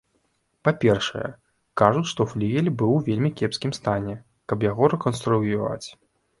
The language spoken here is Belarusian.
Па-першае, кажуць, што флігель быў у вельмі кепскім стане, каб яго рэканструяваць.